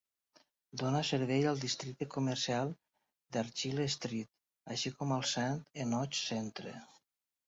Dona servei al districte comercial d'Argyle Street, així com al Saint Enoch Centre.